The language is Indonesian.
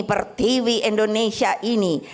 pertiwi indonesia ini